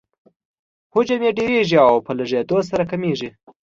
حجم یې ډیریږي او په لږیدو سره کمیږي.